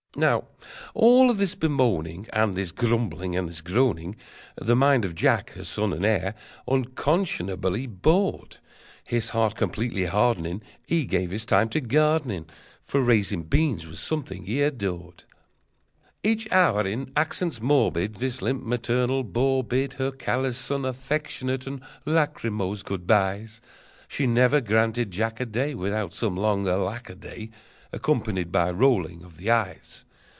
Now all of this bemoaning And this grumbling and this groaning The mind of Jack, her son and heir, unconscionably bored. His heart completely hardening, He gave his time to gardening, For raising beans was something he adored. Each hour in accents morbid This limp maternal bore bid Her callous son affectionate and lachrymose good bys. She never granted Jack a day Without some long "Alackaday!" Accompanied by rolling of the eyes.